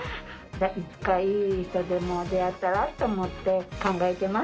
いつかいい人に出会えたらと思って、考えてます、